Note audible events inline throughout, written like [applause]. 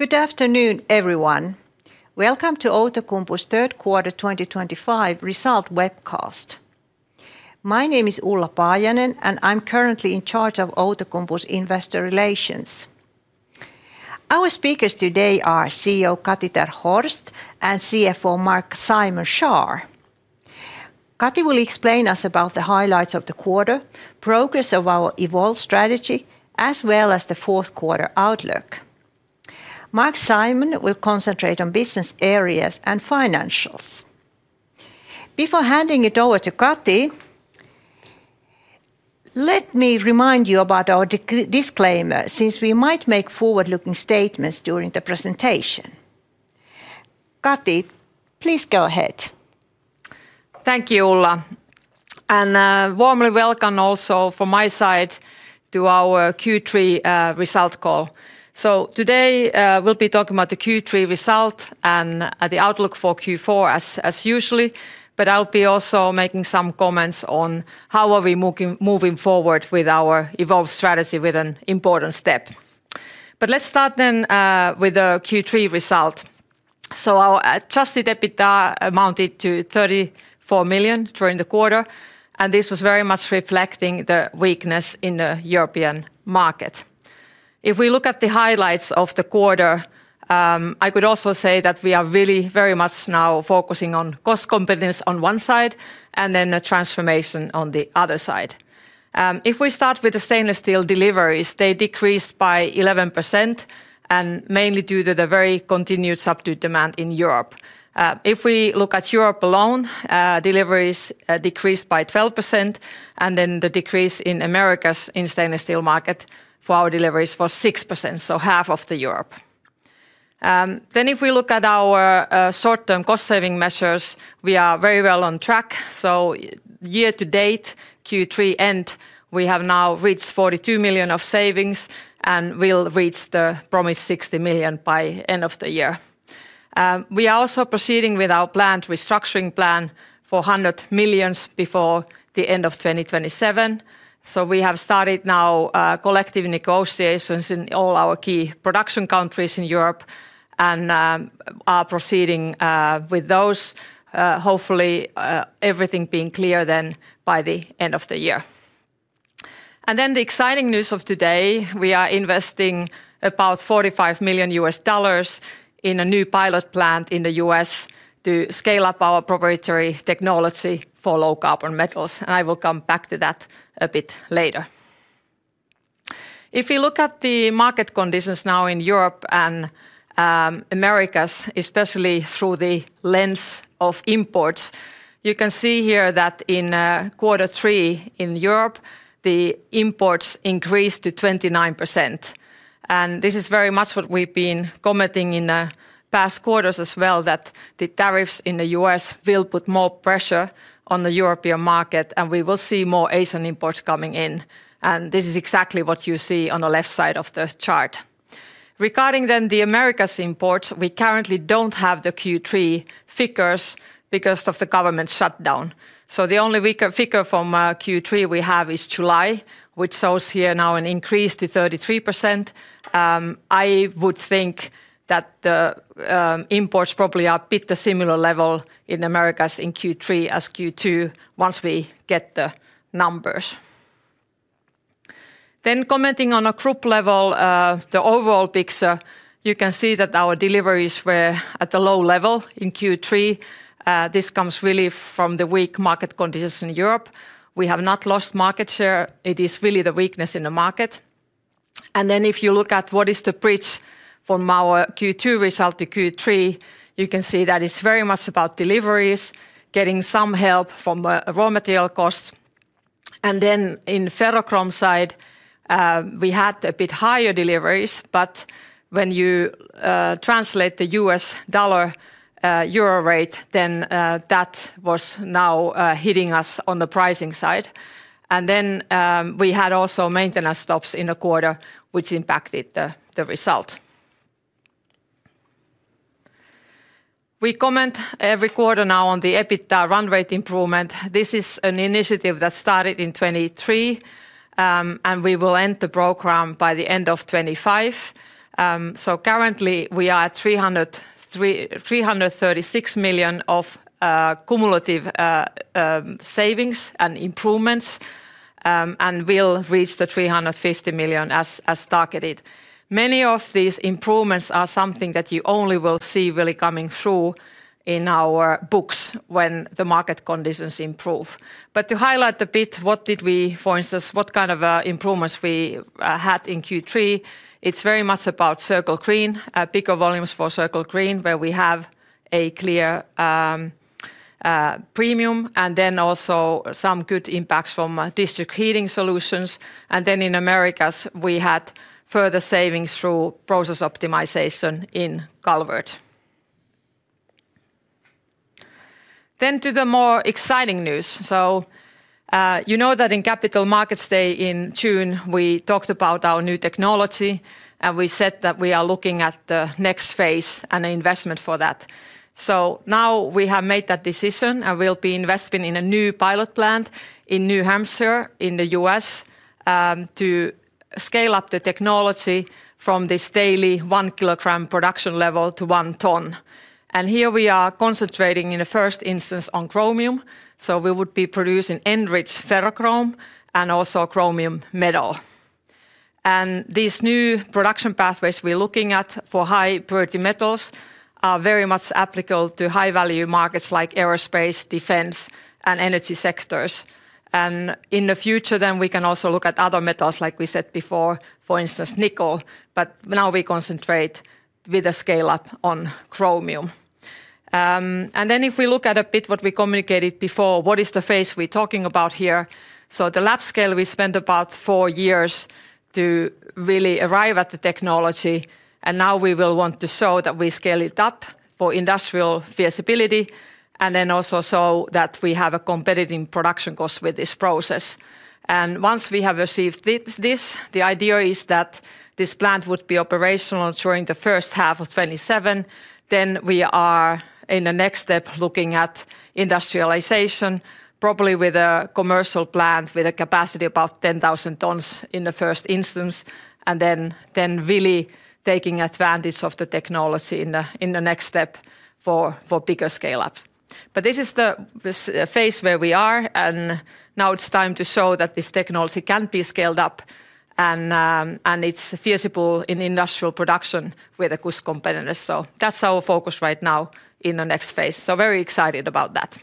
Good afternoon everyone. Welcome to Outokumpu's third quarter 2025 result webcast. My name is Ulla Paajanen and I'm currently in charge of Outokumpu investor relations. Our speakers today are CEO Kati ter Horst and CFO Marc-Simon Schaar. Kati will explain to us about the highlights of the quarter, progress of our EVOLVE strategy, as well as the fourth quarter outlook. Marc-Simon will concentrate on business areas and financials. Before handing it over to Kati, let me remind you about our disclaimer since we might make forward-looking statements during the presentation. Kati, please go ahead. Thank you Ulla and warmly welcome also from my side to our Q3 result call. Today we'll be talking about the Q3 result and the outlook for Q4 as usual, but I'll also be making some comments on how we are moving forward with our EVOLVE strategy with an important step. Let's start then with the Q3 result. Our adjusted EBITDA amounted to 34.4 million during the quarter and this was very much reflecting the weakness in the European market. If we look at the highlights of the quarter, I could also say that we are really very much now focusing on cost competitiveness on one side and then a transformation on the other side. If we start with the stainless steel deliveries, they decreased by 11% and mainly due to the very continued subdued demand in Europe. If we look at Europe alone, deliveries decreased by 12% and then the decrease in Americas in stainless steel market for our deliveries was 6%, so half of Europe. If we look at our short-term cost saving measures, we are very well on track. Year-to-date Q3 end we have now reached 42 million of savings and will reach the promised 60 million by end of the year. We are also proceeding with our planned restructuring plan for 100 million before the end of 2027. We have started now collective negotiations in all our key production countries in Europe and are proceeding with those, hopefully everything being clear then by the end of the year. The exciting news of today is we are investing about EUR 45 million in a new pilot plant in the U.S. to scale up our proprietary technology for low carbon metals. I will come back to that a bit later. If you look at the market conditions now in Europe and Americas, especially through the lens of imports, you can see here that in quarter three in Europe the imports increased to 29% and this is very much what we've been commenting in past quarters as well, that the tariffs in the U.S. will put more pressure on the European market and we will see more Asian imports coming in. This is exactly what you see on the left side of the chart. Regarding the Americas imports, we currently don't have the Q3 figures because of the government shutdown. The only figure from Q3 we have is July, which shows here now an increase to 33%. I would think that the imports probably are at the similar level in Americas in Q3 as Q2 once we get the numbers. Commenting on a group level, the overall picture, you can see that our deliveries were at the low level in Q3. This comes really from the weak market conditions in Europe. We have not lost market share. It is really the weakness in the market. If you look at what is the bridge from our Q2 result to Q3, you can see that it's very much about deliveries getting some help from raw material costs. In Ferrochrome side we had a bit higher deliveries. When you translate the U.S. dollar Euro rate, that was now hitting us on the pricing side. We had also maintenance stops in the quarter, which impacted the result. We comment every quarter now on the EBITDA run rate improvement. This is an initiative that started in 2023 and we will end the program by the end of 2025. Currently we are at 336 million of cumulative savings and improvements and will reach the 350 million as targeted. Many of these improvements are something that you only will see really coming through in our books when the market conditions improve. To highlight a bit, what did we for instance, what kind of improvements we had in Q3, it's very much about Circle Green. Bigger volumes for Circle Green where we have a clear premium and also some good impacts from District Heating Solutions. In Americas we had further savings through process optimization in Calvert. To the more exciting news. You know that in Capital Markets Day in June, we talked about our new technology and we said that we are looking at the next phase and investment for that. Now we have made that decision and we'll be investing in a new pilot plant in New Hampshire in the U.S. to scale up the technology from this daily 1 kg production level to 1 ton. Here we are concentrating in the first instance on Chromium. We would be producing enriched Ferrochrome and also Chromium metal. These new production pathways we're looking at for high purity metals are very much applicable to high value markets like aerospace, defense, and energy sectors. In the future we can also look at other metals like we said before, for instance nickel, but now we concentrate with a scale up on Chromium. If we look at a bit what we communicated before, what is the phase we're talking about here? The lab scale we spent about four years to really arrive at the technology and now we will want to show that we scale it up for industrial feasibility and also so that we have a competitive production cost with this process. Once we have received this, the idea is that this plant would be operational during first half of 2027. We are in the next step looking at industrialization, probably with a commercial plant with a capacity about 10,000 tons in the first instance and then really taking advantage of the technology in the next step for bigger scale up. This is the phase where we are and now it's time to show that this technology can be scaled up and it's feasible in industrial production with a cost competitiveness. That's our focus right now in the next phase. Very excited about that.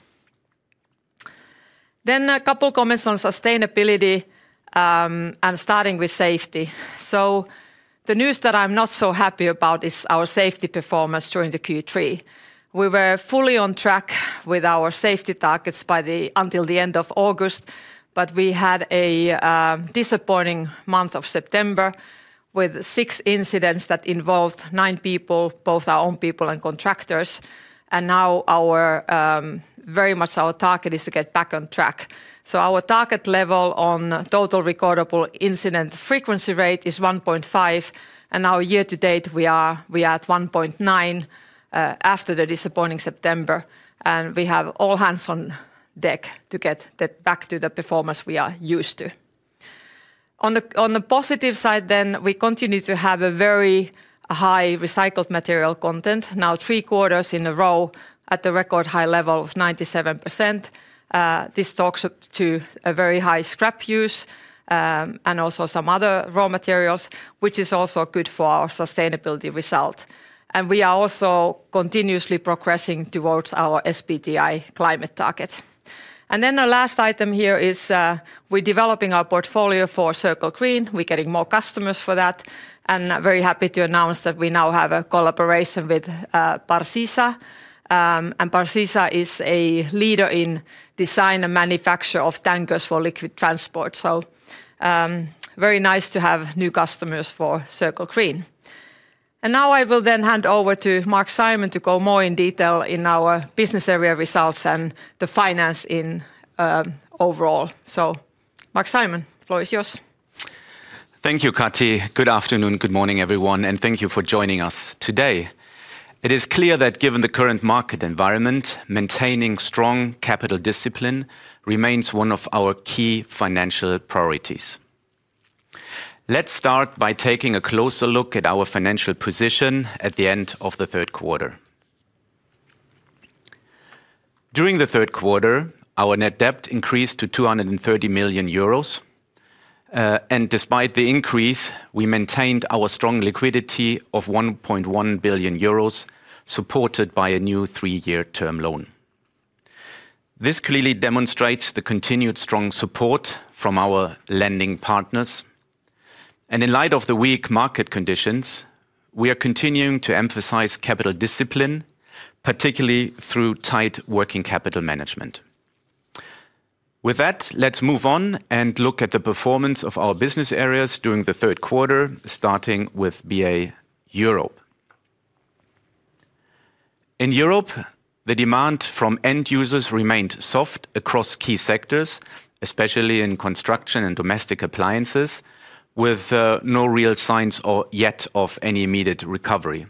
A couple comments on sustainability and starting with safety. The news that I'm not so happy about is our safety performance during Q3. We were fully on track with our safety targets until the end of August, but we had a disappointing month of September with six incidents that involved nine people, both our own people and contractors. Now very much our target is to get back on track. Our target level on total recordable incident frequency rate is 1.5%. Now year-to-date we are at 1.9% after the disappointing September and we have all hands on deck to get back to the performance we are used to. On the positive side, we continue to have a very high recycled material content, now three quarters in a row at the record high level of 97%. This talks to a very high scrap use and also some other raw materials, which is also good for our sustainability result. We are also continuously progressing towards our SBTi climate target. The last item here is we're developing our portfolio for Circle Green. We're getting more customers for that and very happy to announce that we now have a collaboration with Parcisa, and Parcisa is a leader in design and manufacture of tankers for liquid transport. Very nice to have new customers for Circle Green. I will then hand over to Marc-Simon to go more in detail in our business area results and the finance in overall. Marc-Simon, floor is yours. Thank you. Kati. Good afternoon, good morning everyone and thank you for joining us today. It is clear that given the current market environment, maintaining strong capital discipline remains one of our key financial priorities. Let's start by taking a closer look at our financial position at the end of the third quarter. During the third quarter our net debt increased to 230 million euros and despite the increase, we maintained our strong liquidity of 1.1 billion euros supported by a new three-year term loan. This clearly demonstrates the continued strong support from our lending partners and in light of the weak market conditions, we are continuing to emphasize capital discipline, particularly through tight working capital management. With that, let's move on and look at the performance of our business areas during the third quarter, starting with BA Europe. In Europe, the demand from end users remained soft across key sectors, especially in construction and domestic appliances, with no real signs yet of any immediate recovery.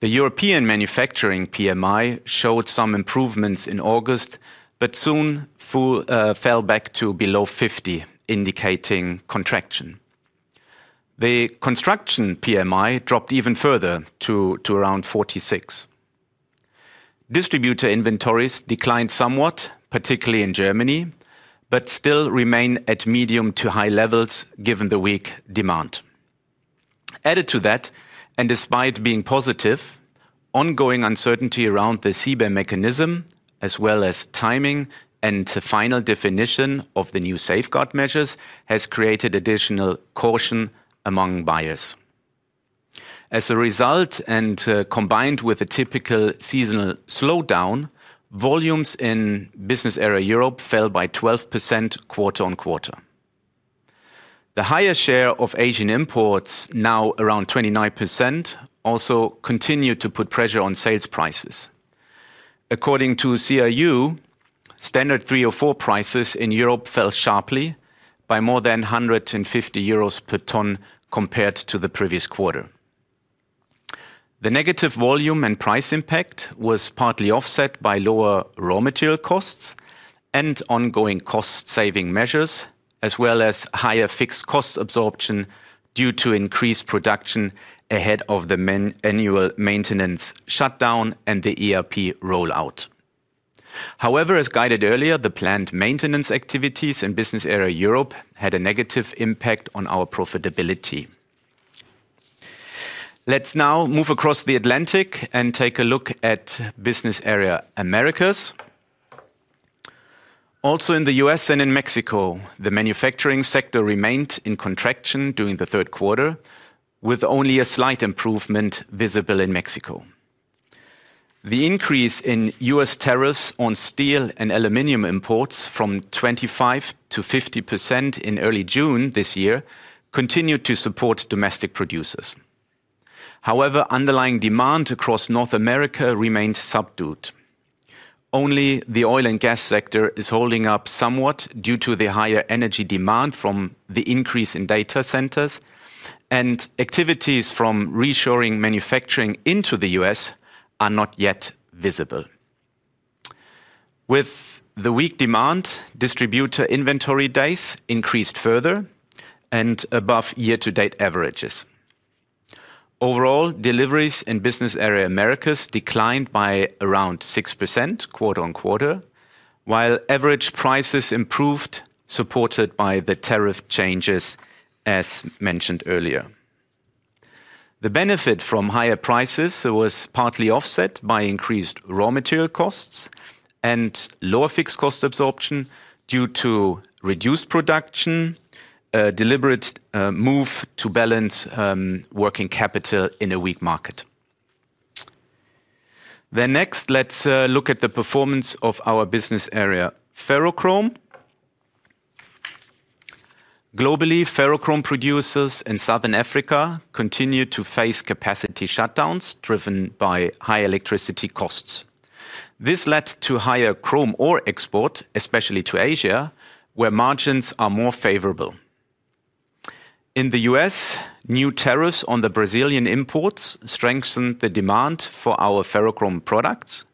The European manufacturing PMI showed some improvements in August but soon fell back to below 50, indicating contraction. The construction PMI dropped even further to around 46. Distributor inventories declined somewhat, particularly in Germany, but still remain at medium to high levels given the weak demand. Added to that and despite being positive, ongoing uncertainty around the CBAM mechanism as well as timing and final definition of the new safeguard measures has created additional caution among buyers. As a result, and combined with a typical seasonal slowdown, volumes in Business Area Europe fell by 12% quarter-on-quarter. The higher share of Asian imports, now around 29%, also continued to put pressure on sales prices. According to CRU Standard 304, prices in Europe fell sharply by more than 150 euros per ton compared to the previous quarter. The negative volume and price impact was partly offset by lower raw material costs and ongoing cost saving measures as well as higher fixed cost absorption due to increased production ahead of the annual maintenance shutdown and the ERP rollout. However, as guided earlier, the planned maintenance activities in Business Area Europe had a negative impact on our profitability. Let's now move across the Atlantic and take a look at Business Area Americas. Also in the U.S. and in Mexico, the manufacturing sector remained in contraction during the third quarter, with only a slight improvement visible in Mexico. The increase in U.S. tariffs on Steel and Aluminum imports from 25% to 50% in early June this year continued to support domestic producers. However, underlying demand across North America remained subdued. Only the Oil and Gas sector is holding up somewhat due to the higher energy demand from the increase in data centers, and activities from reshoring manufacturing into the U.S. are not yet visible. With the weak demand, distributor inventory days increased further and above year-to-date averages. Overall deliveries in Business Area Americas declined by around 6% quarter-on-quarter, while average prices improved, supported by the tariff changes. As mentioned earlier, the benefit from higher prices was partly offset by increased raw material costs and lower fixed cost absorption due to reduced production, a deliberate move to balance working capital in a weak market. Next, let's look at the performance of our Business Area Ferrochrome. Globally, Ferrochrome producers in Southern Africa continue to face capacity shutdowns driven by high electricity costs. This led to higher chrome ore export, especially to Asia where margins are more favorable. In the U.S., new tariffs on the Brazilian imports strengthened the demand for our Ferrochrome products,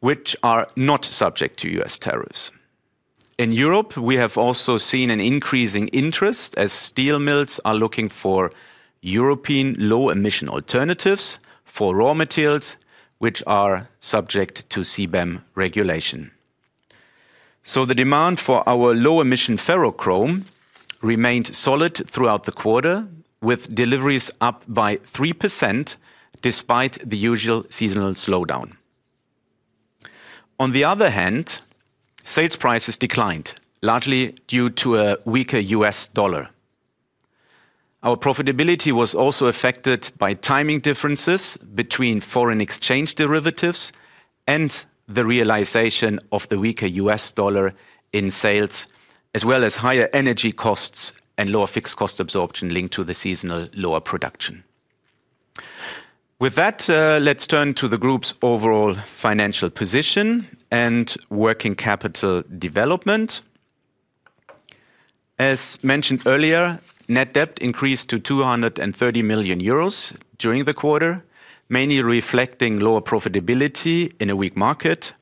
which are not subject to U.S. tariffs. In Europe, we have also seen an increasing interest as steel mills are looking for European low emission alternatives for raw materials, which are subject to CBAM regulation. The demand for our low emission Ferrochrome remained solid throughout the quarter, with deliveries up by 3% despite the usual seasonal slowdown. On the other hand, sales prices declined largely due to a weaker U.S. dollar. Our profitability was also affected by timing differences between foreign exchange derivatives and the realization of the weaker U.S. dollar in sales, as well as higher energy costs and lower fixed cost absorption linked to the seasonal lower production. With that, let's turn to the group's overall financial position and working capital development. As mentioned earlier, net debt increased to 230 million euros during the quarter, mainly reflecting lower profitability in a weak market,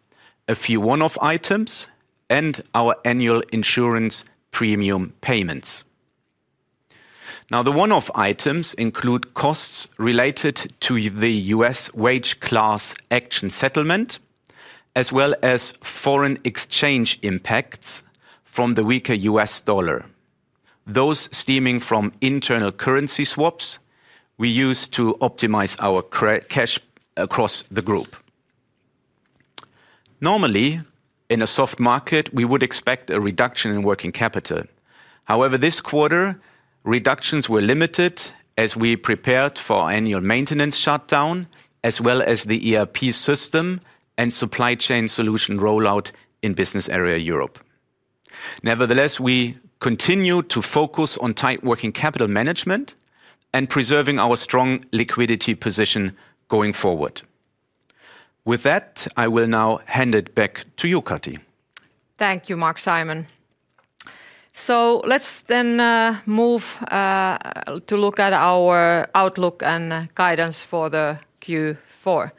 a few one-off items, and our annual insurance premium payments. Now the one-off items include costs related to the U.S. wage class action settlement as well as foreign exchange impacts from the weaker U.S. dollar, those stemming from internal currency swaps we used to optimize our cash across the group. Normally, in a soft market we would expect a reduction in working capital. However, this quarter reductions were limited as we prepared for annual maintenance shutdown as well as the ERP system and supply chain solution rollout in Business Area Europe. Nevertheless, we continue to focus on tight working capital management and preserving our strong liquidity position going forward. With that, I will now hand it back to you, Kati. Thank you, Marc-Simon. Let's then move to look at our outlook and guidance for Q4.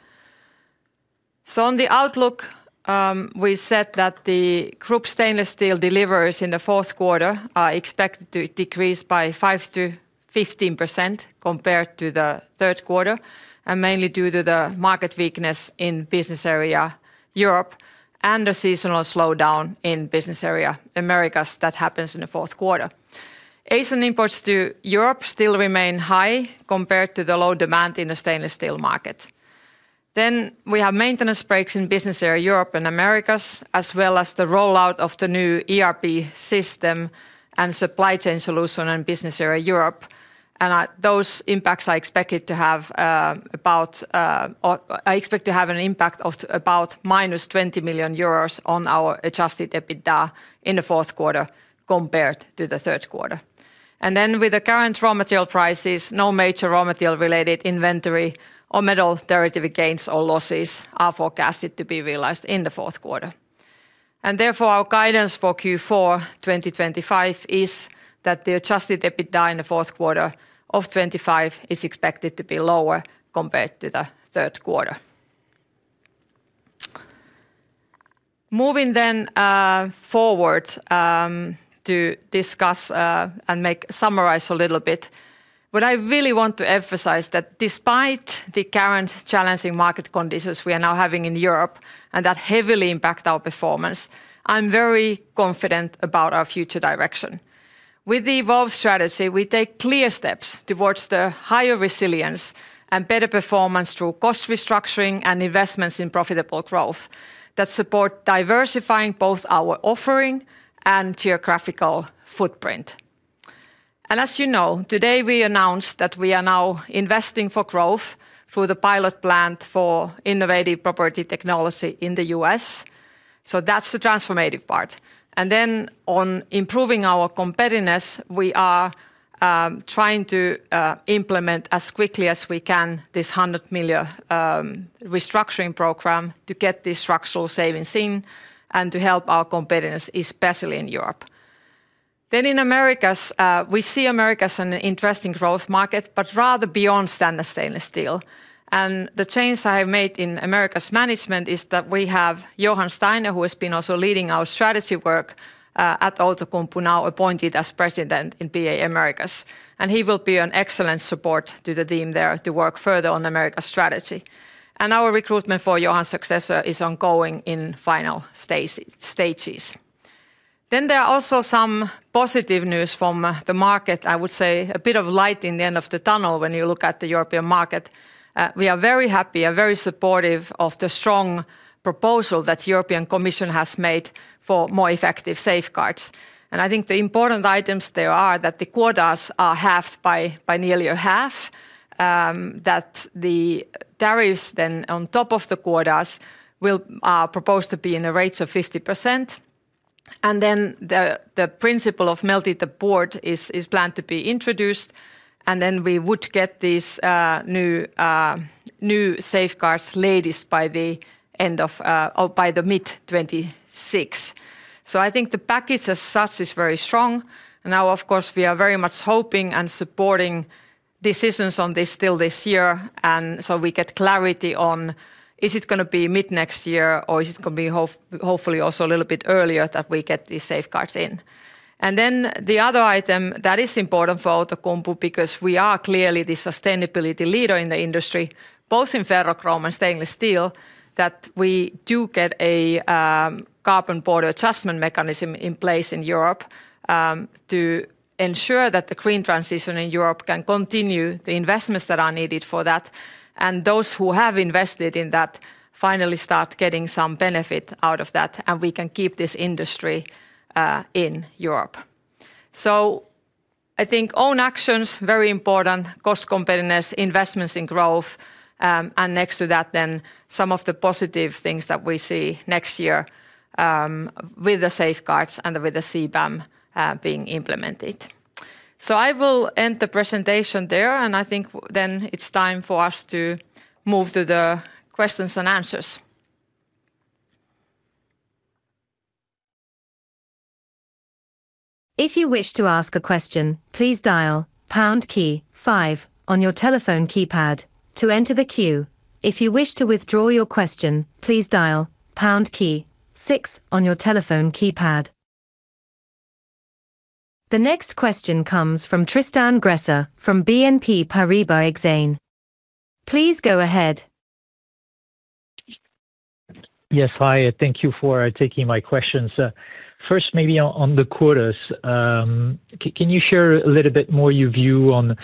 On the outlook, we said that the group stainless steel deliveries in the fourth quarter are expected to decrease by 5%-15% compared to the third quarter, mainly due to the market weakness in Business Area Europe and a seasonal slowdown in Business Area Americas that happens in the fourth quarter. Asian imports to Europe still remain high compared to the low demand in the stainless steel market. We have maintenance breaks in Business Area Europe and Americas, as well as the rollout of the new ERP system and supply chain solution in Business Area Europe, and those impacts are expected to have about. I expect to have an impact of about -20 million euros on our adjusted EBITDA in the fourth quarter compared to the third quarter. With the current raw material prices, no major raw material related inventory or metal derivative gains or losses are forecasted to be realized in the fourth quarter. Therefore, our guidance for Q4 2025 is that the adjusted EBITDA in fourth quarter of 2025 is expected to be lower compared to the third quarter. Moving forward to discuss and summarize a little bit, what I really want to emphasize is that despite the current challenging market conditions we are now having in Europe and that heavily impact our performance, I'm very confident about our future direction. With the EVOLVE strategy, we take clear steps towards higher resilience and better performance through cost restructuring and investments in profitable growth that support diversifying both our offering and geographical footprint. As you know, today we announced that we are now investing for growth through the pilot plant for innovative property technology in the U.S. That's the transformative part. On improving our competitiveness, we are trying to implement as quickly as we can this 100 million restructuring program to get these structural savings in and to help our competitiveness, especially in Europe. In Americas, we see Americas as an interesting growth market, but rather beyond stainless steel. The change I have made in Americas management is that we have Johann Steiner, who has been also leading our strategy work at Outokumpu, now appointed as President in BA Americas. He will be an excellent support to the team there to work further on the Americas strategy. Our recruitment for Johan's successor is ongoing in final stages. There are also some positive news from the market. I would say a bit of light at the end of the tunnel. When you look at the European market, we are very happy and very supportive of the strong proposal that the European Commission has made for more effective safeguards. I think the important items there are that the quotas are halved by nearly a half, that the tariffs then on top of the quotas will be proposed to be in the rates of 50%. The principle of melted at the port is planned to be introduced and we would get these new safeguards latest by the mid-2026. I think the package as such is very strong. Of course, we are very much hoping and supporting decisions on this still this year, so we get clarity on is it going to be mid next year or is it going to be hopefully also a little bit earlier that we get these safeguards in. The other item that is important for Outokumpu, because we are clearly the sustainability leader in the industry, both in Ferrochrome and Stainless Steel, is that we do get a Carbon Border Adjustment Mechanism in place in Europe to ensure that the green transition in Europe can continue. The investments that are needed for that and those who have invested in that finally start getting some benefit out of that and we can keep this industry in Europe. I think own actions, very important, cost competitiveness, investments in growth and next to that, some of the positive things that we see next year with the safeguards and with the CBAM being implemented. I will end the presentation there and I think it's time for us to move to the questions and answers. If you wish to ask a question please dial pound key five on your telephone keypad to enter the queue. If you wish to withdraw your question, please dial pound key on your telephone keypad. The next question comes from Tristan Gresser from BNP Paribas Exane. Please go ahead. Yes, hi. Thank you for taking my questions. First, maybe on the quotas, can you share a little bit more your view on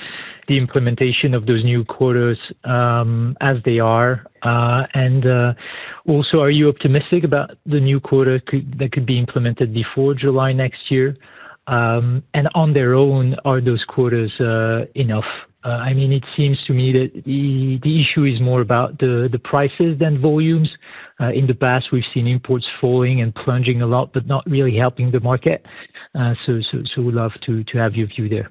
the implementation of those new quotas as they are, and also are you optimistic about the new quota that could be implemented before July next year and on their own? Are those quotas enough? I mean it seems to me that the issue is more about the prices than volumes. In the past we've seen imports falling and plunging a lot, but not really helping the market. Would love to have your view there.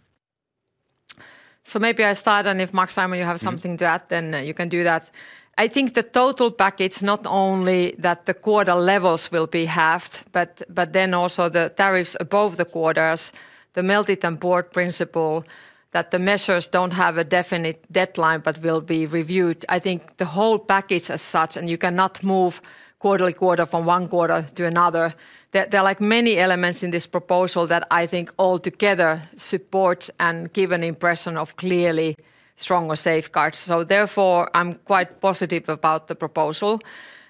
Maybe I start, and if Marc-Simon, you have something to add, then you can do that. I think the total package, not only that the quarter levels will be halved, but then also the tariffs above the quarters, the melt it and board principle, that the measures don't have a definite deadline but will be reviewed. I think the whole package as such, and you cannot move quarterly quarter from one quarter to another. There are many elements in this proposal that I think altogether support and give an impression of clearly stronger safeguards. Therefore, I'm quite positive about the proposal.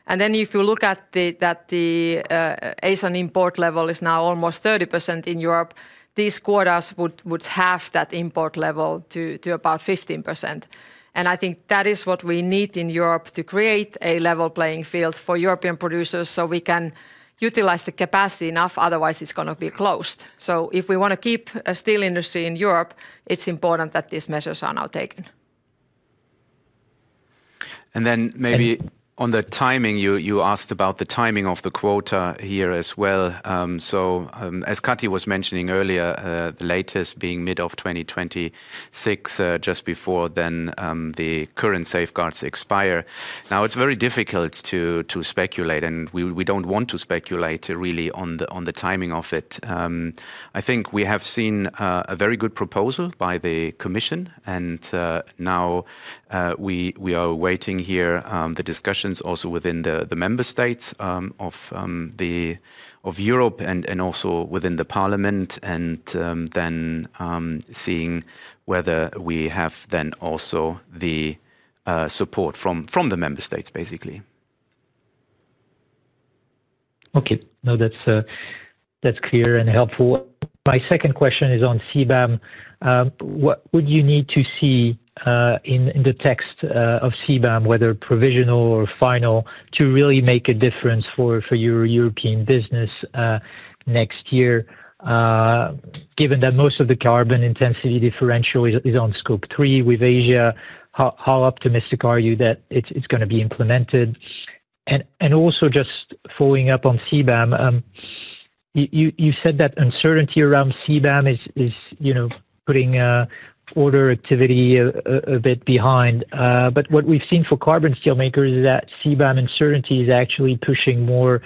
If you look at that, the Asian import level is now almost 30% in Europe, these quarters would halve that import level to about 15%. I think that is what we need in Europe to create a level playing field for European producers so we can utilize the capacity enough. Otherwise, it's going to be closed. If we want to keep a steel industry in Europe, it's important that these measures are now taken. You asked about the timing of the quota here as well. As Kati was mentioning earlier, the latest being mid-2026 just before then, the current safeguards expire. Now, it's very difficult to speculate and we don't want to speculate really on the timing of it. I think we have seen a very good proposal by the Commission and now we are awaiting the discussions also within the member states of Europe and also within the Parliament, and then seeing whether we have also the support from the member states basically. Okay, no, that's clear and helpful. My second question is on CBAM. What would you need to see in the text of CBAM, whether provisional or final, to really make a difference for your European business next year? Given that most of the carbon intensity differential is on scope three with Asia, how optimistic are you that it's going to be implemented? Also, just following up on CBAM, you said that uncertainty around CBAM is, you know, putting order activity a bit behind. What we've seen for carbon steel makers is that CBAM uncertainty is actually pushing more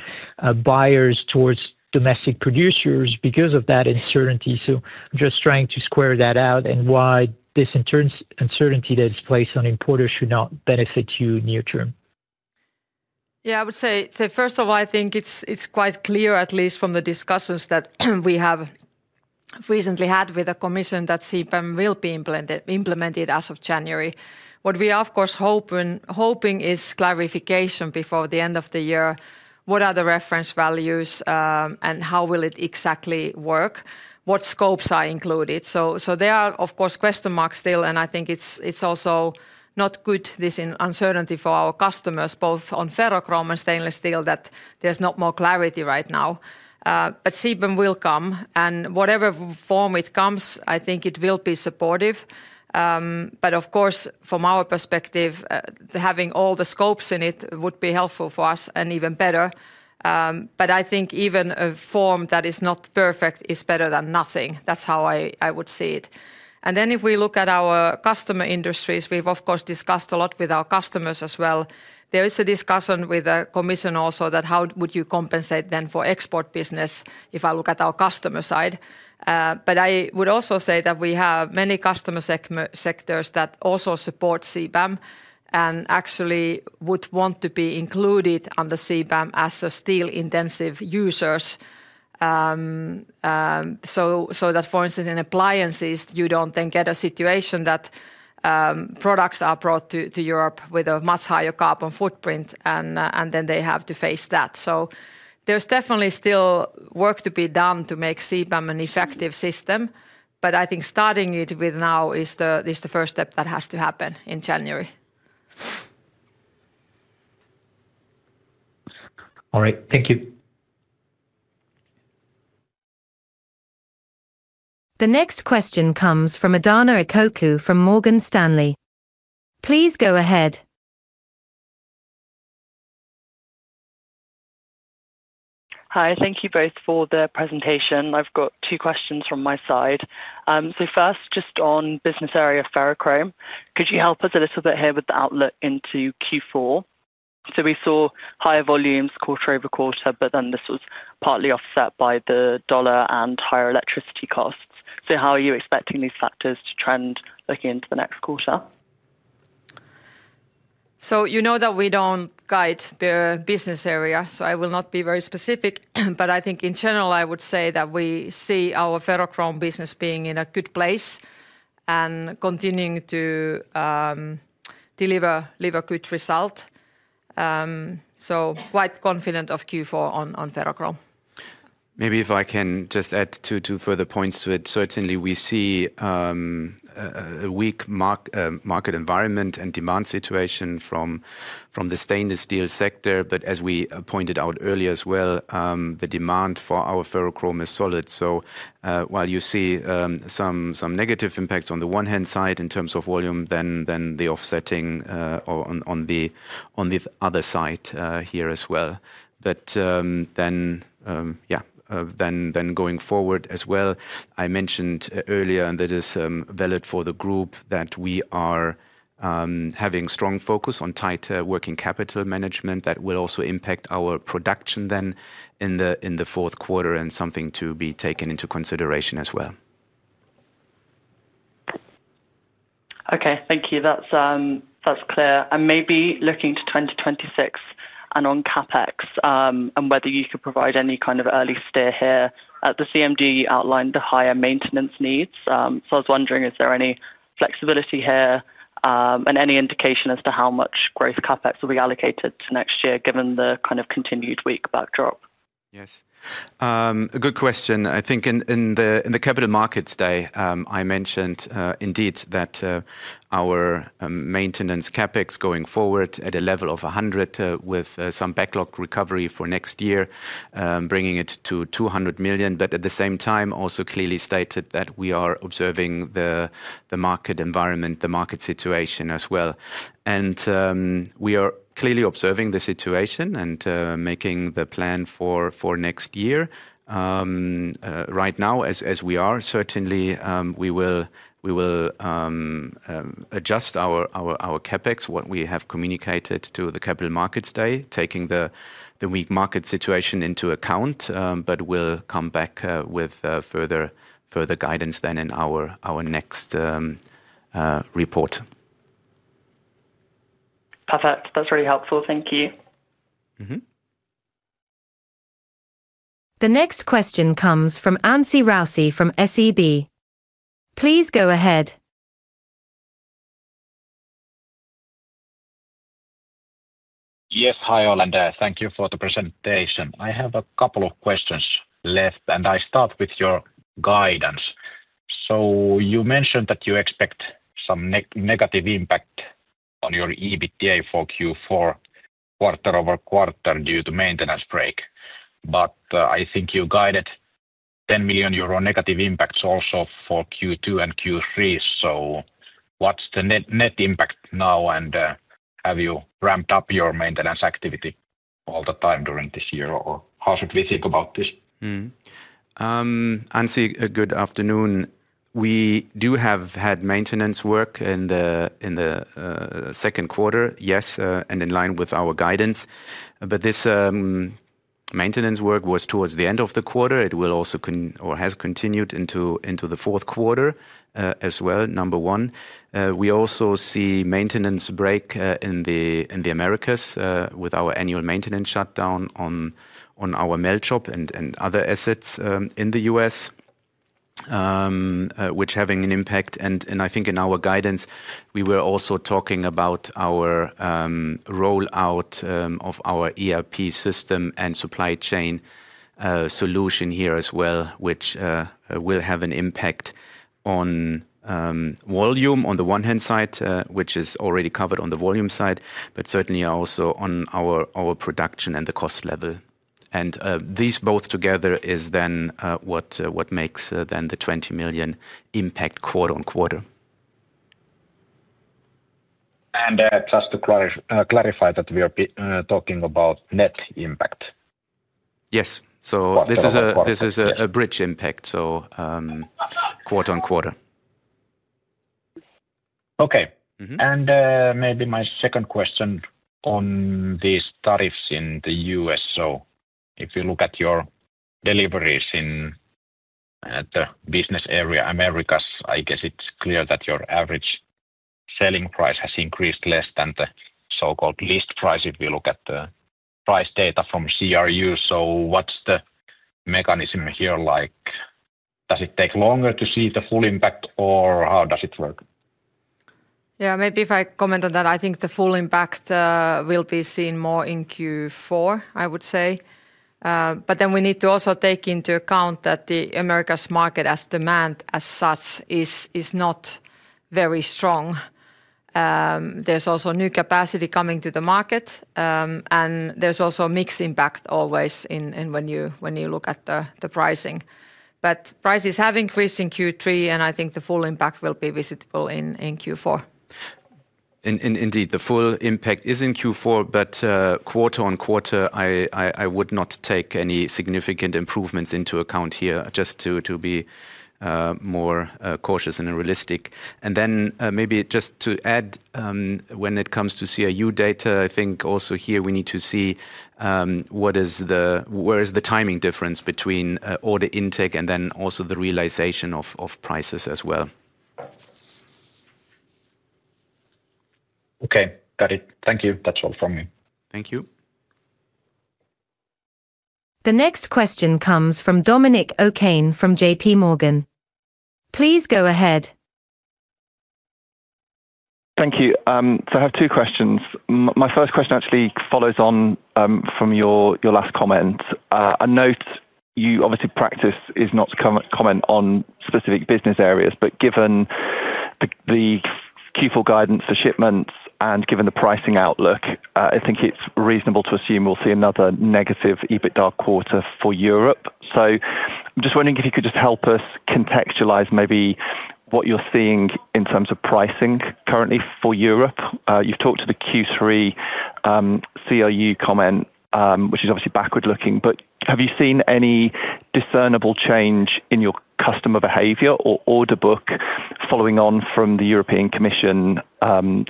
buyers towards domestic producers because of that uncertainty. I'm just trying to square that out and why this in terms of uncertainty that is placed on importers should not benefit you near term? Yeah, I would say first of all, I think it's quite clear, at least from the discussions that we have recently had with the Commission, that CBAM will be implemented as of January. What we are of course hoping is clarification before the end of the year. What are the reference values and how will it exactly work, what scopes are included? There are of course question marks still. I think it's also not good, this uncertainty for our customers, both on Ferrochrome and Stainless Steel, that there's not more clarity right now. CBAM will come and whatever form it comes, I think it will be supportive. Of course from our perspective, having all the scopes in it would be helpful for us and even better. I think even a form that is not perfect is better than nothing. That's how I would see it. If we look at our customer industries, we've of course discussed a lot with our customers as well. There is a discussion with the Commission also that how would you compensate then for export business? If I look at our customer side, I would also say that we have many customer sectors that also support CBAM and actually would want to be included under CBAM as steel intensive users so that for instance in appliances you don't then get a situation that products are brought to Europe with a much higher carbon footprint and then they have to face that. There's definitely still work to be done to make CBAM an effective system, but I think starting it with now is the first step that has to happen in January. All right, thank you. The next question comes from Adahna Ekoku from Morgan Stanley. Please go ahead. Hi, thank you both for the presentation. I've got two questions from my side. First, just on business area Ferrochrome, could you help us a little bit here with the outlook into Q4? We saw higher volumes quarter-over-quarter, but this was partly offset by the dollar and higher electricity costs. How are you expecting these factors to trend looking into the next quarter? You know that we don't guide the business area. I will not be very specific, but I think in general I would say that we see our Ferrochrome business being in a good place and continuing to deliver good result. Quite confident of Q4 on Ferrochrome. Maybe if I can just add two further points to it. Certainly, we see a weak market environment and demand situation from the Stainless Steel sector, but as we pointed out earlier as well, the demand for our Ferrochrome is solid. While you see some negative impacts on the one hand side in terms of volume, there is offsetting on the other side here as well. Going forward, as I mentioned earlier and that is valid for the group, we are having strong focus on tight working capital management that will also impact our production in the fourth quarter and something to be taken into consideration as well. Okay, thank you, that's clear. Maybe looking to 2026 and on CapEx and whether you could provide any kind of early stir here at the CMD outlined the higher maintenance needs. I was wondering is there any flexibility here and any indication as to how much growth CapEx will be allocated to next year given the kind of continued weak backdrop? Yes, good question. I think in the Capital Markets Day I mentioned indeed that our maintenance CapEx going forward at a level of 100 million with some backlog recovery for next year bringing it to 200 million. At the same time, I also clearly stated that we are observing the market environment, the market situation as well, and we are clearly observing the situation and making the plan for next year right now as we certainly will adjust our CapEx, what we have communicated to the Capital Markets Day, taking the weak market situation into account. We'll come back with further guidance then in our next report. Perfect, that's really helpful, thank you. The next question comes from Anssi Raussi from SEB. Please go ahead. Yes, hi, Olen there. Thank you for the presentation. I have a couple of questions left and I start with your guidance. You mentioned that you expect some negative impact on your EBITDA for Q4 quarter-over-quarter due to maintenance break. I think you guided 10 million euro negative impacts also for Q2 and Q3. What's the net impact now and have you ramped up your maintenance activity all the time during this year or how should we think about this? Anssi, good afternoon. We do have had maintenance work in the second quarter, yes, and in line with our guidance. This maintenance work was towards the end of the quarter. It will also or has continued into the fourth quarter as well. Number one, we also see maintenance break in the Americas with our annual maintenance shutdown on our mill shop and other assets in the U.S., which is having an impact. I think in our guidance we were also talking about our rollout of our ERP system and supply chain solution here as well, which will have an impact on volume on the one hand side, which is already covered on the volume side, but certainly also on our production and the cost level. These both together is then what makes then the 20 million impact quarter-on-quarter. To clarify, we are talking about net impact. Yes, this is a bridge impact, quarter-on-quarter. Okay. Maybe my second question on these tariffs in the U.S., if you look at your deliveries in the business area Americas, I guess it's clear that your average selling price has increased less than the so-called list price if you look at the price data from CRU. What's the mechanism here? Does it take longer to see the full impact, or how does it work? Yeah, maybe if I comment on that. I think the full impact will be seen more in Q4, I would say. We need to also take into account that the Americas market as demand as such is not very strong. There's also new capacity coming to the market, and there's also mix impact always in when you look at the pricing. Prices have increased in Q3, and I think the full impact will be visible in Q4. Indeed, the full impact is in Q4, but quarter-on-quarter I would not take any significant improvements into account here, just to be more cautious and realistic. Maybe just to add, when it comes to CRU data, I think also here we need to see where is the timing difference between order intake and then also the realization of prices as well. Okay, got it. Thank you. That's all from me. Thank you. The next question comes from Dominic O'Kane from JPMorgan. Please go ahead. Thank you. I have two questions. My first question actually follows on from your last comment. I note your practice is not to comment on specific business areas, but given the Q4 guidance, the shipments, and given the pricing outlook, I think it's reasonable to assume we'll see another negative EBITDA quarter for Europe. I'm just wondering if you could help us contextualize maybe what you're seeing in terms of pricing currently for Europe. You've talked to the Q3 CRU comment, which is obviously backward looking, but have you seen any discernible change in your customer behavior or order book following on from the European Commission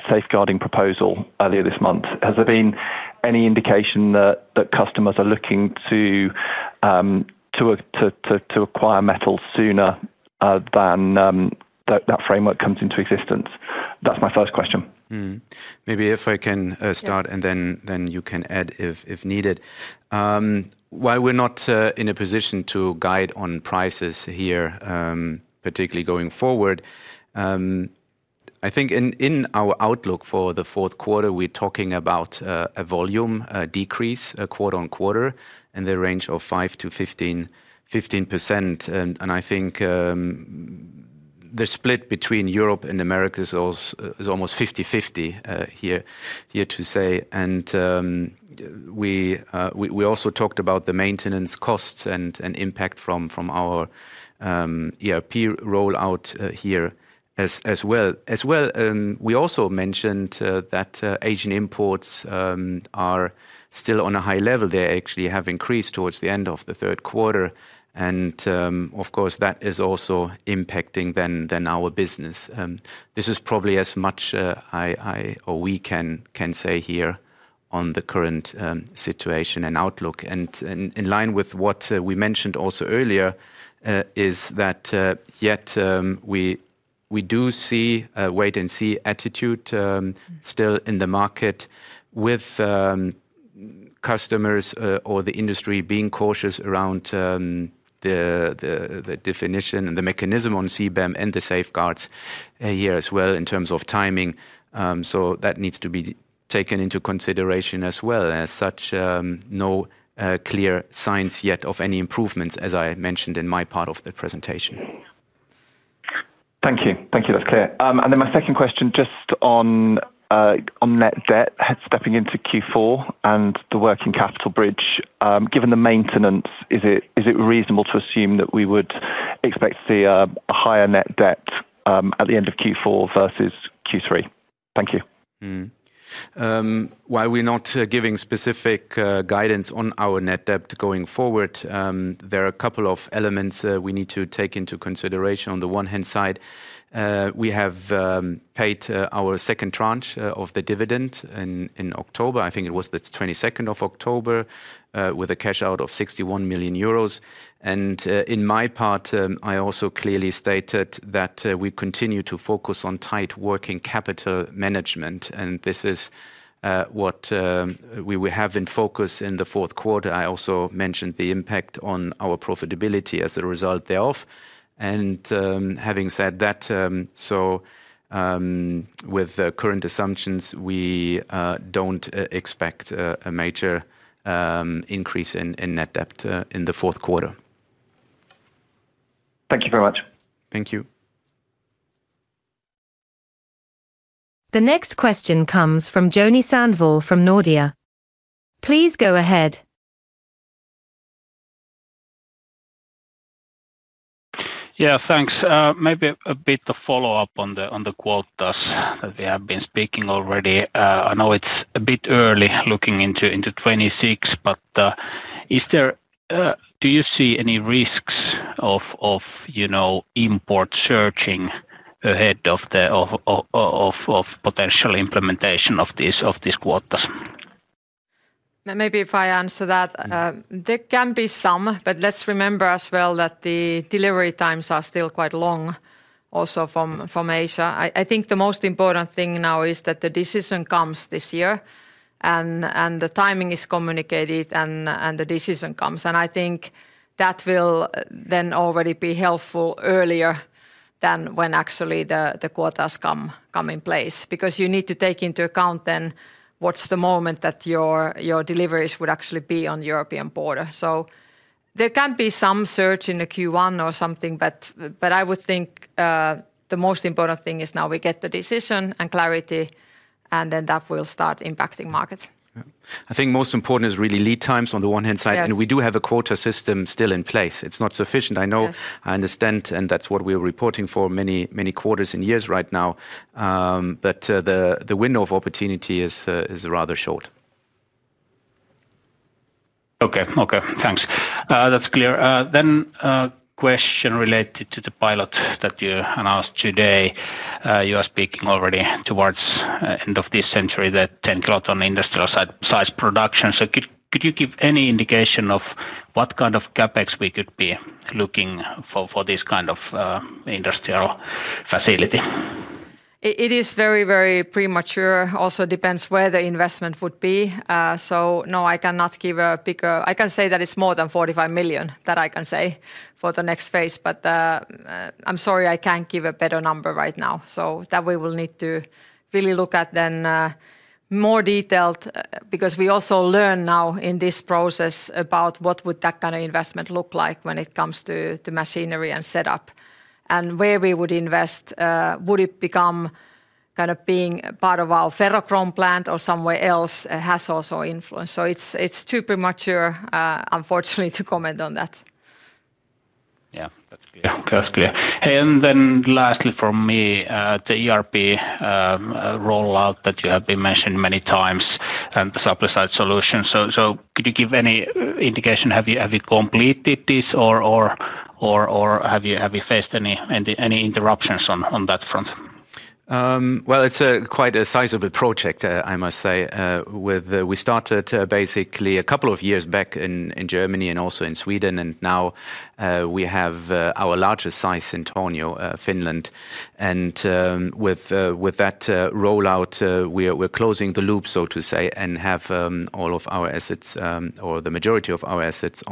safeguarding proposal earlier this month? Has there been any indication that customers are looking to acquire metals sooner than that framework comes into existence? That's my first question. Maybe if I can start and then you can add if needed. While we're not in a position to guide on prices here, particularly going forward, I think in our outlook for the fourth quarter we're talking about a volume decrease quarter-on-quarter in the range of 5%-5%. I think the split between Europe and Americas is almost 50/50 here to say. We also talked about the maintenance costs and an impact from our ERP rollout here as well. We also mentioned that Asian imports are still on a high level. They actually have increased towards the end of the third quarter and of course that is also impacting then our business. This is probably as much as we can say here on the current situation and outlook, and in line with what we mentioned also earlier is that yet we do see a wait and see attitude still in the market with customers or the industry being cautious around the definition and the mechanism on CBAM and the safeguards here as well in terms of timing. That needs to be taken into consideration as well. As such, no clear signs yet of any improvements as I mentioned in my part of the presentation. Thank you. Thank you. That's clear. My second question, just on net debt stepping into Q4 and the working capital bridge, given the maintenance, is it reasonable to assume that we would expect to see a higher net debt at the end of Q4 versus Q3? Thank you. While we're not giving specific guidance on our net debt going forward, there are a couple of elements we need to take into consideration. On the one hand side, we have paid our second tranche of the dividend in October. I think it was the 22nd of October with a cash out of 61 million euros. In my part I also clearly stated that we continue to focus on tight working capital management, and this is what we have in focus in the fourth quarter. I also mentioned the impact on our profitability as a result thereof. Having said that, with current assumptions we don't expect a major increase in net debt in the fourth quarter. Thank you very much. Thank you. The next question comes from Joni Sandvall from Nordea. Please go ahead. Thanks. Maybe a bit of follow up on the quotas that we have been speaking already. I know it's a bit early looking into 2026, but do you see any risks of, you know, import surging ahead of potential implementation of these quotas? Maybe if I answer that there can be some. Let's remember as well that the delivery times are still quite long, also from Asia. I think the most important thing now is that the decision comes this year and the timing is communicated and the decision comes. I think that will then already be helpful earlier than when actually the quotas come in place, because you need to take into account then what's the moment that your deliveries would actually be on the European border. There can be some surge in Q1 or something. I would think the most important thing is now we get the decision and clarity, and then that will start impacting markets. I think most important is really lead times on the one hand side, and we do have a quota system still in place. It's not sufficient. I know, I understand. That's what we were reporting for many quarters and years right now, but the window of opportunity is rather short. Okay, thanks. That's clear then. Question related to the pilot that you announced today. You are speaking already towards end of this century that 10 kt industrial size production. Could you give any indication of what kind of CapEx we could be looking for this kind of industrial facility? It is very, very premature. Also depends where the investment would be. No, I cannot give a pick. I can say that it's more than 45 million, that I can say for the next phase. I'm sorry I can't give a better number right now. We will need to really look at that in more detail because we also learn now in this process about what would that kind of investment look like when it comes to the machinery and setup and where we would invest. Would it become kind of being part of our Ferrochrome plant or somewhere else has also influenced. It's too premature unfortunately to comment on that. Yeah, that's clear. Lastly for me, the ERP rollout that you have mentioned many times and the supply side solutions, could you give any indication, have you completed this or have you faced any interruptions on that front? It's quite a sizable project, I must say. We started basically a couple of years back in Germany and also in Sweden, and now we have our largest site in Tornio, Finland. With that rollout, we're closing the loop, so to say, and have all of our assets, or the majority of our assets,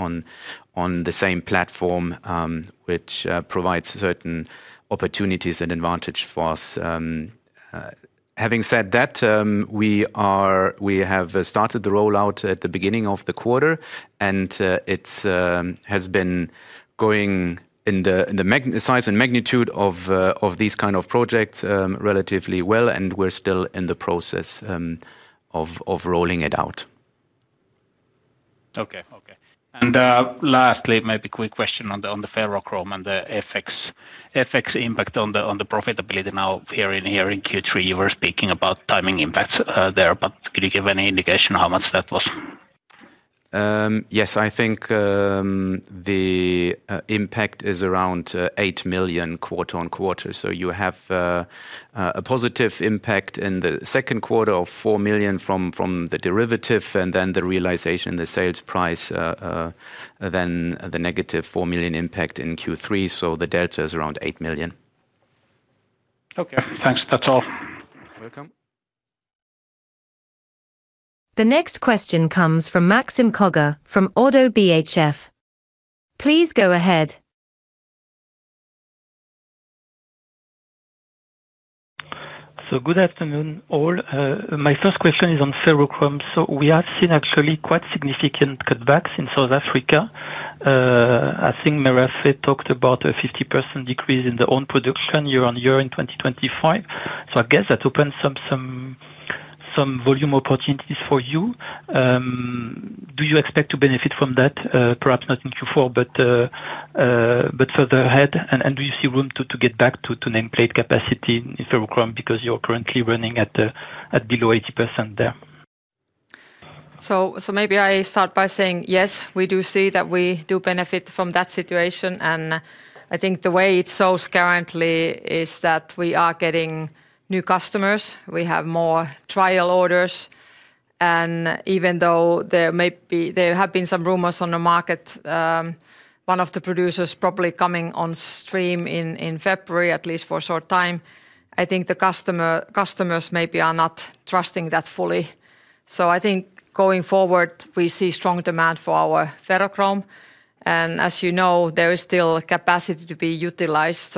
on the same platform, which provides certain opportunities and advantages for us. Having said that, we have started the rollout at the beginning of the quarter, and it has been going, in the size and magnitude of these kind of projects, relatively well, and we're still in the process of rolling it out. Okay. Lastly, maybe quick question on the Ferrochrome and the FX impact on the profitability. Here in Q3 you were speaking about timing impacts there, but could you give any indication how much that was? Yes, I think the impact is around 8 million quarter-on-quarter. You have a positive impact in Q2, 4 million from the derivative and then the realization in the sales price, then the negative 4 million impact in Q3. The delta is around 8 million. Okay, thanks. That's all. Welcome. The next question comes from Maxime Kogge from ODDO BHF. Please go ahead. Good afternoon all. My first question is on Ferrochrome. We have seen actually quite significant cutbacks in South Africa. I think Merafe talked about a 50% decrease in the own production year-on-year in 2025. I guess that opens some volume opportunities for you. Do you expect to benefit from that? Perhaps not in Q4 but further ahead. Do you see room to get back to nameplate capacity in Ferrochrome because you're currently running at below 80% there. Yes, we do see that we do benefit from that situation, and I think the way it shows currently is that we are getting new customers, we have more trial orders, and even though there have been some rumors on the market, one of the producers probably coming on stream in February, at least for a short time, I think the customers maybe are not trusting that fully. I think going forward we see strong demand for our Ferrochrome. As you know, there is still capacity to be utilized.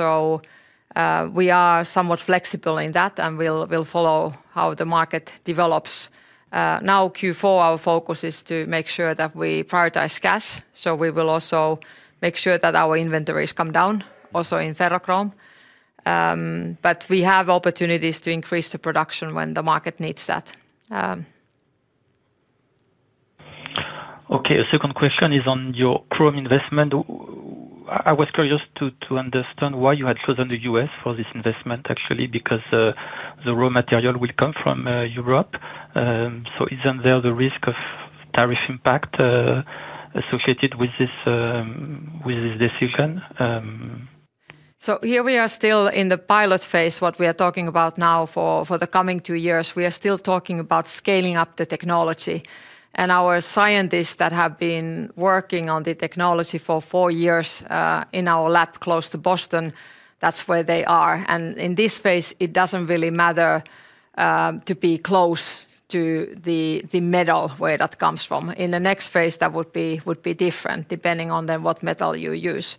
We are somewhat flexible in that and we'll follow how the market develops. In Q4, our focus is to make sure that we prioritize gas. We will also make sure that our inventories come down also in Ferrochrome. We have opportunities to increase the production when the market needs that. Okay, a second question is on your chrome investment. I was curious to understand why you had chosen the U.S. for this investment. Actually, because the raw material will come from Europe, isn't there the risk of tariff impact associated with this decision? We are still in the pilot phase. What we are talking about now for the coming two years, we are still talking about scaling up the technology and our scientists that have been working on the technology for four years in our lab close to Boston, that's where they are. In this phase it doesn't really matter to be close to the metal where that comes from. In the next phase that would be different depending on what metal you use.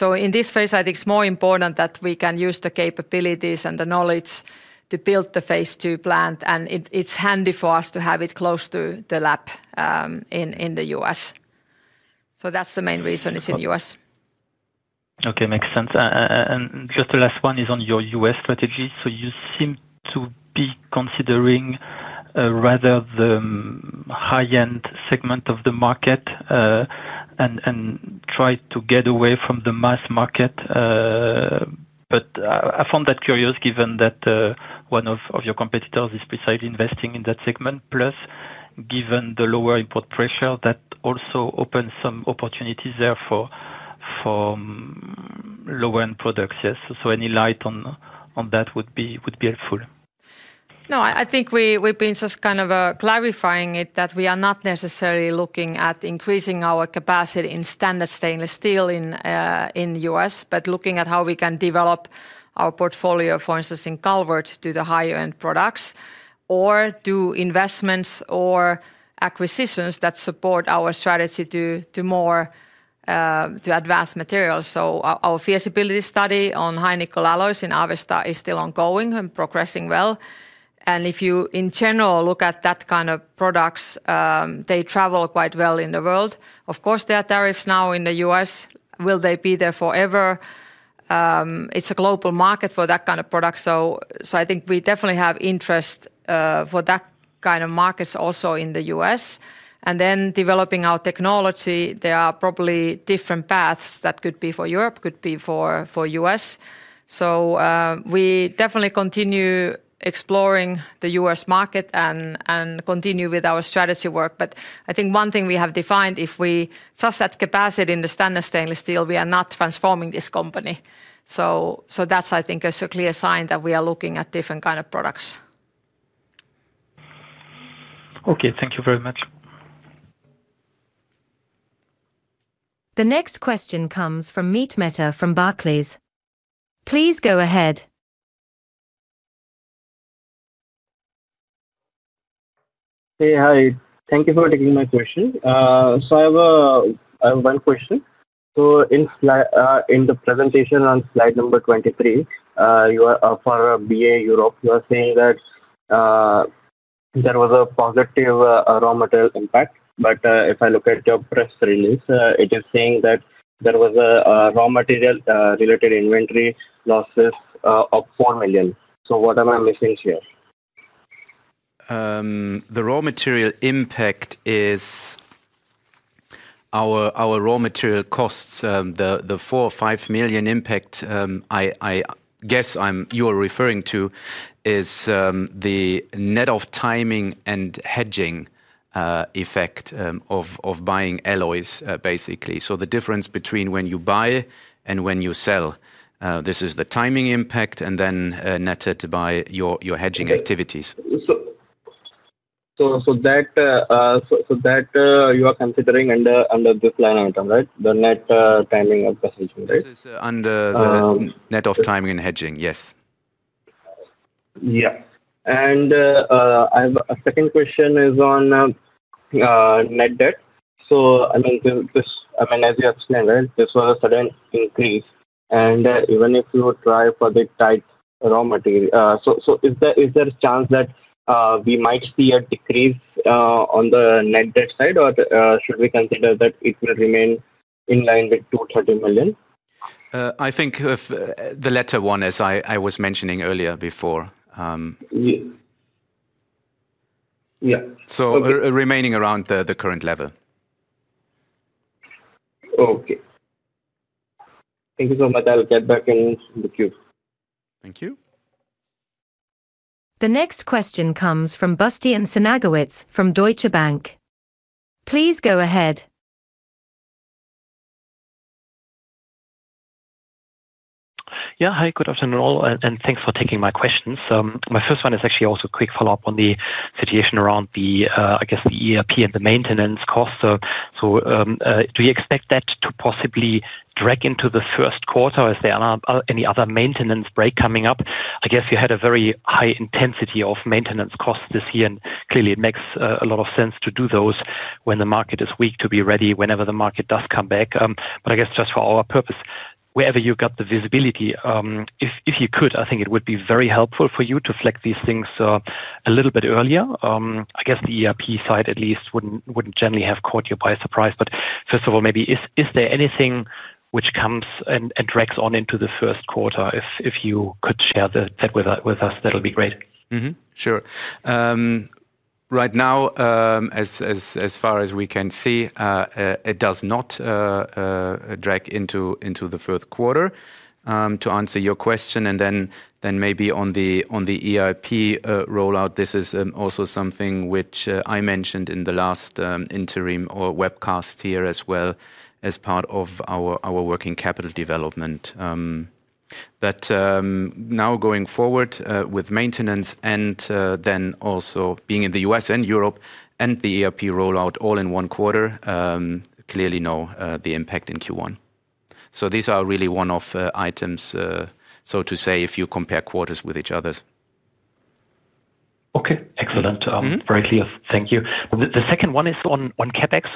In this phase I think it's more important that we can use the capabilities and the knowledge to build the phase 2 plant. It's handy for us to have it close to the lab in the U.S., so that's the main reason it's in the U.S. Okay, makes sense. Just the last one is on your U.S. strategy. You seem to be considering rather the high-end segment of the market and try to get away from the mass market. I found that curious given that one of your competitors is precisely investing in that segment. Plus, given the lower import pressure, that also opens some opportunities there for some low-end products. Yes, any light on that would be helpful. No, I think we've been just kind of clarifying it that we are not necessarily looking at increasing our capacity in standard Stainless Steel in the U.S. but looking at how we can develop our portfolio, for instance in Calvert to the higher end products or do investments or acquisitions that support our strategy to more to advanced materials. Our feasibility study on high nickel alloys in Avesta is still ongoing and progressing well. If you in general look at that kind of products, they travel quite well in the world. Of course, there are tariffs now in the U.S. Will they be there forever? It's a global market for that kind of product. I think we definitely have interest for that kind of markets also in the U.S. and then developing our technology there are probably different paths that could be for Europe, could be for us. We definitely continue exploring the U.S. market and continue with our strategy work. I think one thing we have defined, if we just add capacity in the standard Stainless Steel, we are not transforming this company. That's, I think, a clear sign that we are looking at different kind of products. Okay, thank you very much. The next question comes from Meet Mehta from Barclays. Please go ahead. Hey. Hi. Thank you for taking my question. I have one question. In the presentation on slide number 23, for BA Europe, you are saying that there was a positive raw material impact. If I look at your press release, it is saying that there was raw material related inventory losses of 4 million. What am I missing here? The raw material impact is our raw material costs. The 4 million or 5 million impact I guess you're referring to is the net of timing and hedging effect of buying alloys, basically. The difference between when you buy and when you sell, this is the timing impact, and then netted by your hedging activities. You are considering under this line item, right? The net timing of the hedging right. Under the net of timing and hedging. Yes. Yeah. Second question is on net debt. I mean, as you explained, right, this was a sudden increase, and even if you try for the tight raw material, is there a chance that we might see a decrease on the net debt side, or should we consider that it will remain in line with 230 million? I think the latter one, as I was mentioning earlier before. Yeah. Remaining around the current level. Okay, thank you so much. I'll get back in the queue. Thank you. The next question comes from Bastian Synagowitz from Deutsche Bank. Please go ahead. Hi, good afternoon all and thanks for taking my questions. My first one is actually also a quick follow-up on the situation around the, I guess, the ERP and the maintenance costs. Do you expect that to possibly drag into the first quarter? Is there any other maintenance break coming up? I guess you had a very high intensity of maintenance costs this year and clearly it makes a lot of sense to do those when the market is weak, to be ready whenever the market does come back. I guess just for our purpose, wherever you got the visibility, if you could, I think it would be very helpful for you to flag these things a little bit earlier. I guess the ERP side at least wouldn't generally have caught you by surprise. First of all, maybe is there anything which comes and drags on into the first quarter? If you could share that with us, that'll be great. Sure. Right now, as far as we can see, it does not drag into the fourth quarter, to answer your question. Maybe on the ERP rollout, this is also something which I mentioned in the last interim or webcast here, as well as part of our working capital development, but now going forward with maintenance and then also being in the U.S. and Europe and the ERP rollout all in one quarter, clearly know the impact in Q1. These are really one-off items, so to say, if you compare quarters with each other. Okay, excellent. Very clear, thank you. The second one is on CapEx.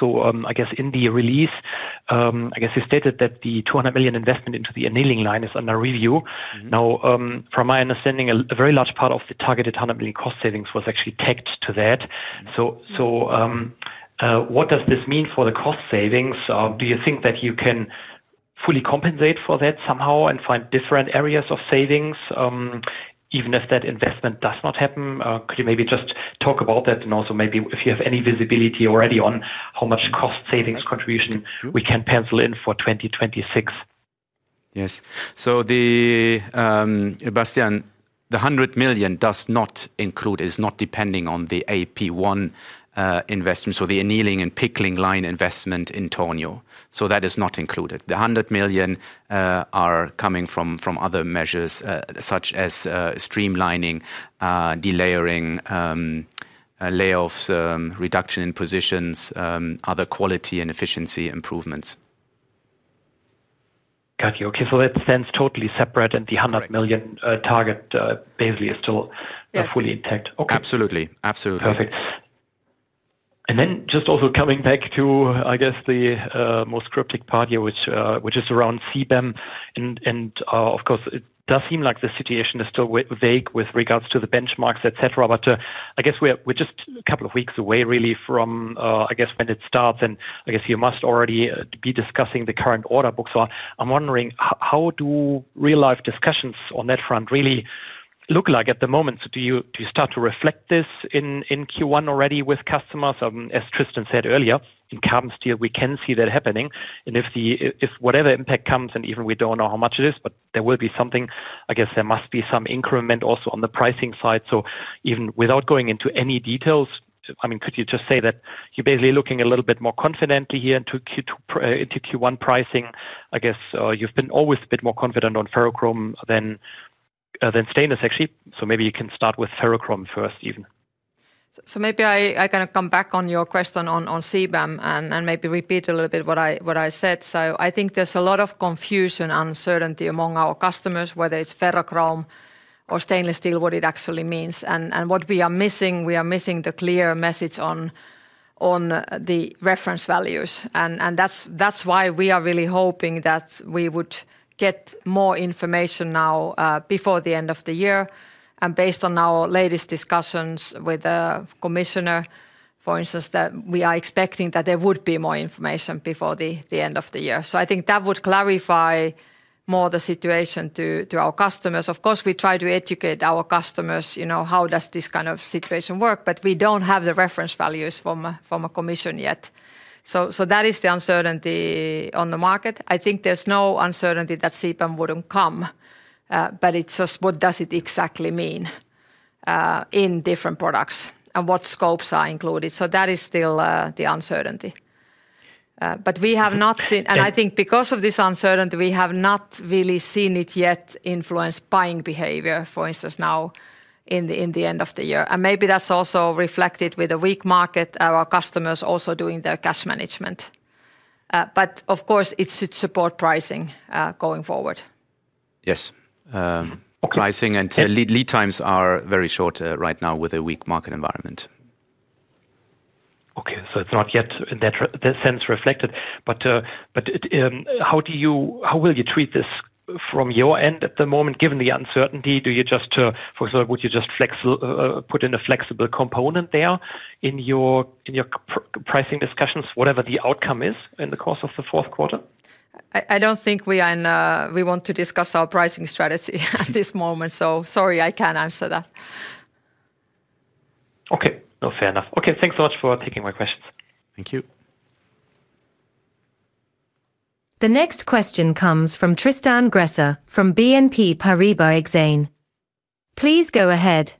In the release, you stated that the 200 million investment into the annealing line is under review. Now, from my understanding, a very large part of the targeted 100 million cost savings was actually tagged to that. What does this mean for the cost savings? Do you think that you can fully compensate for that somehow and find different areas of savings even if that investment does not happen? Could you maybe just talk about that? Also, maybe if you have any visibility already on how much cost savings contribution we can pencil in for 2026. Yes. Bastian, the 100 million does not include, is not depending on the AP1 investment. The annealing and pickling line investment in Tornio is not included. The 100 million are coming from other measures such as streamlining, delayering, layoffs, reduction in positions, other quality and efficiency improvements. Got you. Okay, it stands totally separate. The 100 million target basically is still fully intact. Absolutely, absolutely. Perfect. Just also coming back to, I guess, the most cryptic part here, which is around CBAM, and of course it does seem like the situation is still vague with regards to the benchmarks, etc. I guess we're just a couple of weeks away really from when it starts. You must already be discussing the current order book. I'm wondering how do real life discussions on that front really look like at the moment? Do you start to reflect this in Q1 already with customers? As Tristan said earlier, in carbon steel, we can see that happening, and if whatever impact comes, and even we don't know how much it is, there will be something. There must be some increment also on the pricing side. Even without going into any details, could you just say that you're basically looking a little bit more confidently here into Q1 pricing? I guess you've been always a bit more confident on Ferrochrome than stainless, actually. Maybe you can start with Ferrochrome first. So, maybe I can come back on your question on CBAM and maybe repeat a little bit what I said. I think there's a lot of confusion, uncertainty among our customers, whether it's Ferrochrome or Stainless Steel, what it actually means and what we are missing. We are missing the clear message on the reference values. That's why we are really hoping that we would get more information now before the end of the year. Based on our latest discussions with the commissioner, for instance, we are expecting that there would be more information before the end of the year. I think that would clarify more the situation to our customers. Of course, we try to educate our customers. How does this kind of situation work? We don't have the reference values from the commission yet. That is the uncertainty on the market. I think there's no uncertainty that CBAM wouldn't come, it's just what does it exactly mean in different products and what scopes are included? That is still the uncertainty, but we have not seen, and I think because of this uncertainty, we have not really seen it yet, influence buying behavior, for instance, now in the end of the year. Maybe that's also reflected with a weak market, our customers also doing their cash management. Of course it should support pricing going forward. Yes, pricing and lead times are very short right now with a weak market environment. Okay, so it's not yet in that sense reflected. How will you treat this from your end at the moment, given the uncertainty? For example, would you just put in a flexible component there in your pricing discussions, whatever the outcome is in the course of the fourth quarter? I don't think we are. We want to discuss our pricing strategy at this moment. Sorry, I can't answer that. Okay, fair enough. Okay, thanks so much for taking my questions. Thank you. The next question comes from Tristan Gresser from BNP Paribas Exane. Please go ahead.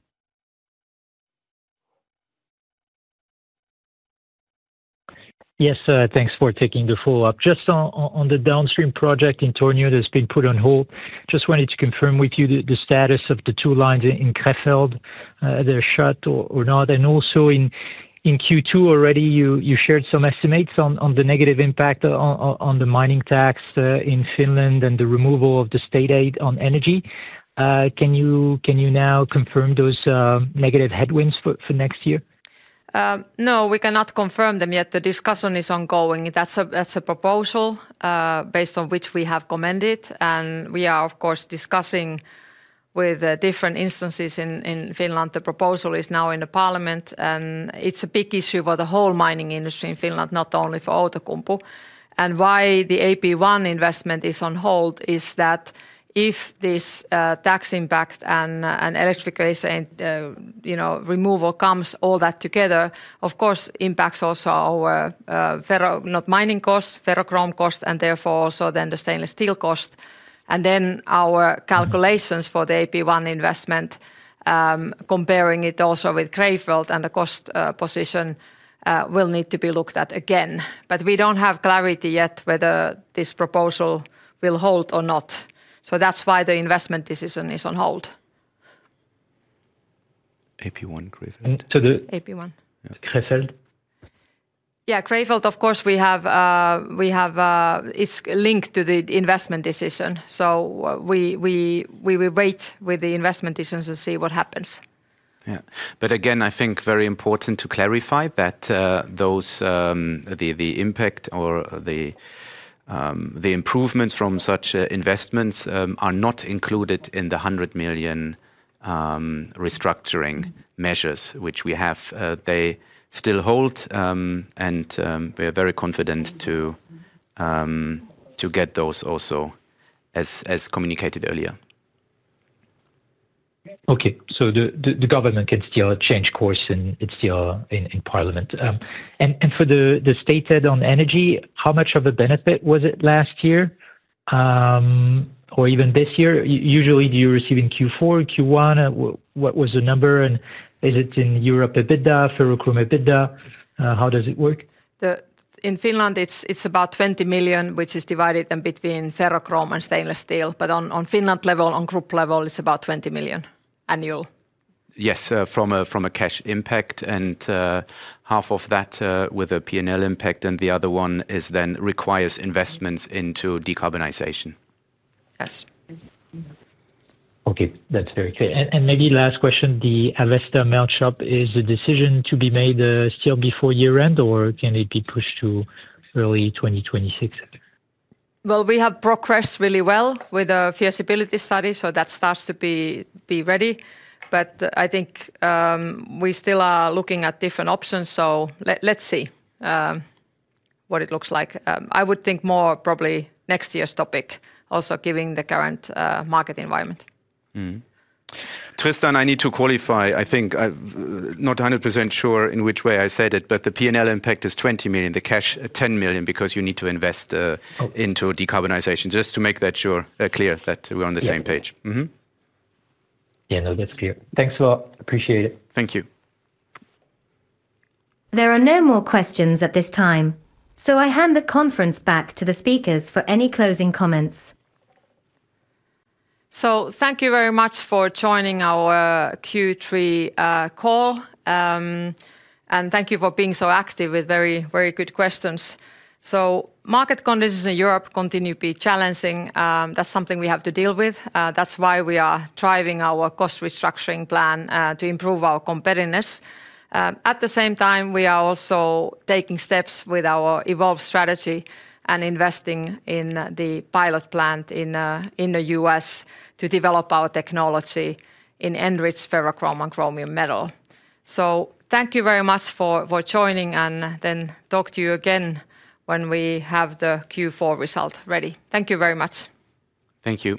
Yes, thanks for taking the follow-up. Just on the downstream project in Tornio that's been put on hold. Just wanted to confirm with you the status of the two lines in Krefeld. They're shut or not. Also, in Q2 already you shared some estimates on the negative impact on the mining tax in Finland and the removal of the state aid on energy. Can you now confirm those negative headwinds for next year? No, we cannot confirm them yet. The discussion is ongoing. That's a proposal based on which we have commented and we are of course discussing with different instances in Finland. The proposal is now in the Parliament and it's a big issue for the whole mining industry in Finland, not only for Outokumpu. Why the AP1 investment is on hold is that if this tax impact and electrification removal comes, all that together, of course, impacts also our Ferrochrome cost and therefore also the Stainless Steel cost. Our calculations for the AP1 investment, comparing it also with Krefeld and the cost position, will need to be looked at again. We don't have clarity yet whether this proposal will hold or not. That's why the investment decision is on hold. AP1. [audio distortion] Yes, of course we have. It's linked to the investment decision. We will wait with the investment decisions to see what happens. I think it's very important to clarify that the impact or the improvements from such investments are not included in the 100 million restructuring measures which we have. They still hold, and we are very confident to get those also as communicated earlier. Okay, the government can still change course and it's still in Parliament. For the statehood, on energy, how much of a benefit was it last year or even this year? Usually do you receive in Q4, Q1? What was the number and is it in Europe? EBITDA, Ferrochrome, EBITDA. How does it work? In Finland, it's about 20 million, which is divided between Ferrochrome and Stainless Steel. On Finland level, on group level, it's about 20 million annual. Yes, from a cash impact and half of that with a P&L impact. The other one then requires investments into decarbonization. Yes. Okay, that's very clear. Maybe last question. The Avesta mill shop, is a decision to be made still before year end or can it be pushed to early 2026? We have progressed really well with a feasibility study. That starts to be ready. I think we still are looking at different options. Let's see what it looks like. I would think more probably next year's topic also, given the current market environment. Tristan, I need to qualify, I think, not 100% sure in which way I said it, but the P&L impact is 20 million, the cash 10 million. You need to invest into decarbonization just to make that clear that we're on the same page. Yeah, no, that's clear. Thanks a lot. Appreciate it. Thank you. There are no more questions at this time. I hand the conference back to the speakers for any closing comments. Thank you very much for joining our Q3 call, and thank you for being so active with very, very good questions. Market conditions in Europe continue to be challenging. That's something we have to deal with. That's why we are driving our cost restructuring plan to improve our competitiveness. At the same time, we are also taking steps with our EVOLVE strategy and investing in the pilot plant in the U.S. to develop our technology in enriched Ferrochrome and Chromium metal. Thank you very much for joining and then talk to you again when we have the Q4 result ready. Thank you very much. Thank you.